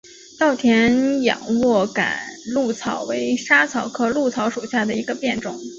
稻田仰卧秆藨草为莎草科藨草属下的一个变种。